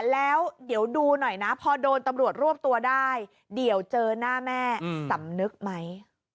แล้วเดี๋ยวดูหน่อยนะพอโดนตำรวจรวบตัวได้เดี๋ยวเจอหน้าแม่สำนึกไหม